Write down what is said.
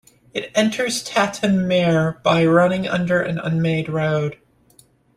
It enters Tatton Mere by running under an unmade road.